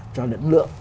cho lẫn lượng